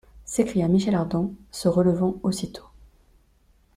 s’écria Michel Ardan, se relevant aussitôt.